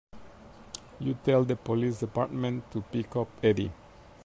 You tell the police department to pick up Eddie.